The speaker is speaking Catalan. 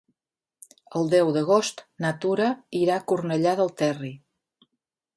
El deu d'agost na Tura irà a Cornellà del Terri.